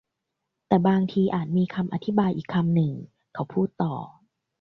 แต่บางทีอาจมีคำอธิบายอีกคำหนึ่งเขาพูดต่อ